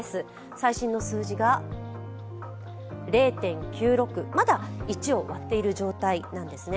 最新の数字が０．９６、まだ１を割っている状態なんですね。